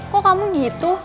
kok kamu gitu